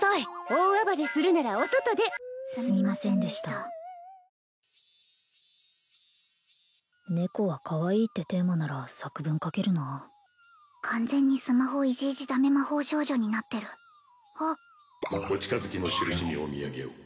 大暴れするならお外ですみませんでした猫はかわいいってテーマなら作文書けるな完全にスマホいじいじダメ魔法少女になってるお近づきのしるしにお土産を